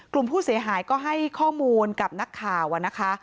กลุ่มผู้เสียหายก็ให้ข้อมูลกับนักข่าวนะคะ